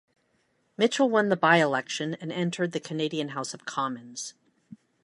Mitchell won the by-election, and entered the Canadian House of Commons.